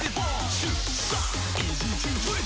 シュッ！